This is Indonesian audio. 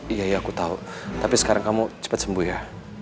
iya aku tau tapi sekarang kamu cepat sembuh ya